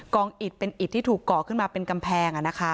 อิดเป็นอิดที่ถูกก่อขึ้นมาเป็นกำแพง